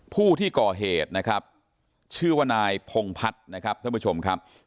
ผู้ที่ก่อเหตุนะครับชื่อว่านายพงพัฒน์นะครับท่านผู้ชมครับ